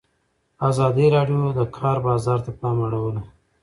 ازادي راډیو د د کار بازار ته پام اړولی.